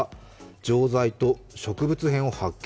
錠剤と植物片を発見。